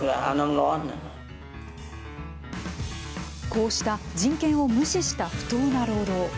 こうした人権を無視した不当な労働。